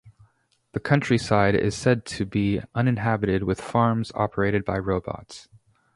The countryside is said to be uninhabited with farms operated by robots.